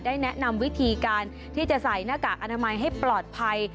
แนะนำวิธีการที่จะใส่หน้ากากอนามัยให้ปลอดภัย